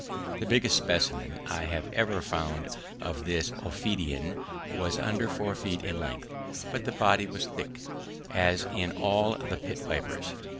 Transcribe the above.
The biggest specimen I have ever found of this ophidian was under four feet in length; but the body is thick, as in all the pit vipers.